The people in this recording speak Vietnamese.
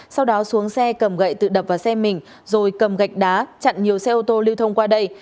sau đó xuống xe cầm gậy tự đập vào xe mình rồi cầm gạch đá chặn nhiều xe ô tô lưu thông qua đây